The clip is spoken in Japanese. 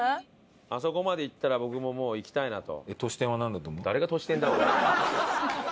あそこまでいったら僕ももういきたいなと。